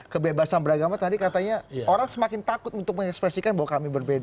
kebebasan beragama tadi katanya orang semakin takut untuk mengekspresikan bahwa kami berbeda